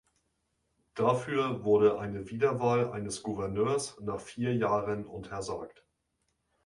Dafür wurde eine Wiederwahl eines Gouverneurs nach vier Jahren untersagt.